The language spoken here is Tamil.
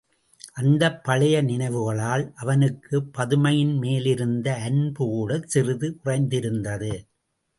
அந்தப் பழைய நினைவுகளால், அவனுக்குப் பதுமையின் மேலிருந்த அன்பு கூடச் சிறிது குறைந்திருந்தது.